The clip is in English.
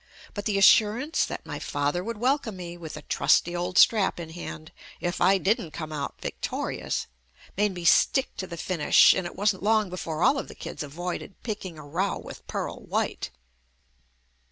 But the assurance that my father would welcome me with the trusty old strap in hand, if I didn't come out victorious, made me stick to the finish, and it wasn't long before all of the kids avoided picking a row with Pearl White.